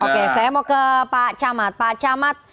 oke saya mau ke pak camat